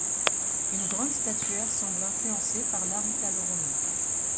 Une grande statuaire semble influencée par l'art italo-romain.